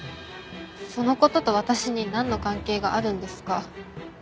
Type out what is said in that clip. その事と私になんの関係があるんですか？